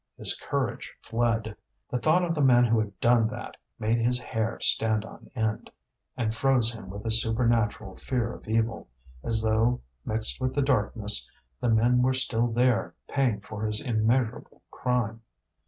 His courage fled. The thought of the man who had done that made his hair stand on end, and froze him with a supernatural fear of evil, as though, mixed with the darkness, the men were still there paying for his immeasurable crime.